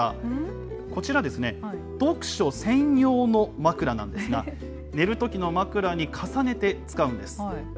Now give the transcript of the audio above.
こちらですね、読書専用の枕なんですが、寝るときの枕に重ねて使うんです。